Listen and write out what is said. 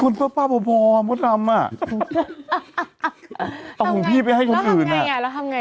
แล้วทำไง